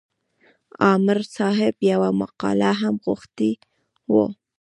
عامر صاحب یوه مقاله هم غوښتې وه.